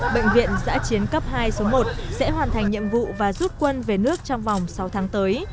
bệnh viện giã chiến cấp hai số một sẽ hoàn thành nhiệm vụ và rút quân về nước trong vòng sáu tháng tới